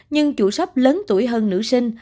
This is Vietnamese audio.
nhưng chủ shop lớn tuổi hơn nữ sinh